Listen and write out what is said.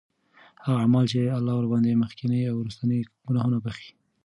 هغه أعمال چې الله ورباندي مخکيني او وروستنی ګناهونه بخښي